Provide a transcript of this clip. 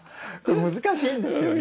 難しいんですよね。